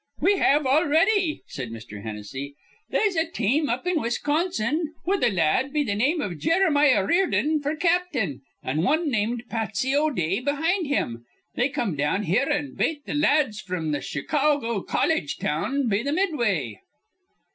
"We have already," said Mr. Hennessy. "They'se a team up in Wisconsin with a la ad be th' name iv Jeremiah Riordan f'r cap'n, an' wan named Patsy O'Dea behind him. They come down here, an' bate th' la ads fr'm th' Chicawgo Colledge down be th' Midway."